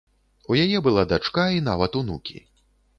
У яе была дачка і нават унукі.